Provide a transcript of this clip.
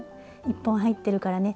１本入ってるからね